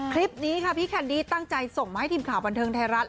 คลิปนี้ค่ะพี่แคนดี้ตั้งใจส่งมาให้ทีมข่าวบันเทิงไทยรัฐ